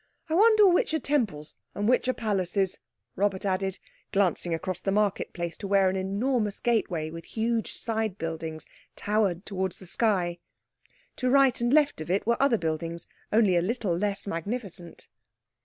I wonder which are temples and which are palaces," Robert added, glancing across the market place to where an enormous gateway with huge side buildings towered towards the sky. To right and left of it were other buildings only a little less magnificent.